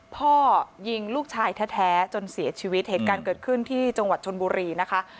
พ่อยิงลูกชายแท้จนเสียชีวิตเหตุการณ์เกิดขึ้นที่จังหวัดชนบุรีนะคะ